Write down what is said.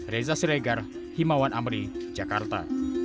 reza siregar himawan amri jakarta